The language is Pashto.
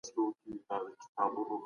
که نظم ساتل کېږي نو ګډوډي نه وي.